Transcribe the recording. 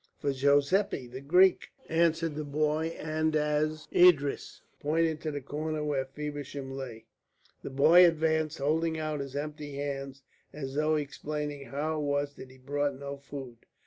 "For Joseppi, the Greek," answered the boy, and Idris pointed to the corner where Feversham lay. The boy advanced, holding out his empty hands as though explaining how it was that he brought no food.